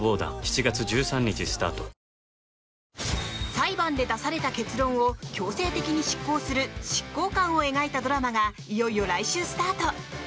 裁判で出された結論を強制的に執行する執行官を描いたドラマがいよいよ来週スタート。